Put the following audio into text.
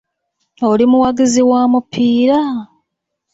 Oli muwagizi wa mupiira?